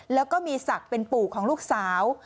แล้วก็มีศักดิ์เป็นปู่ของลูกสาว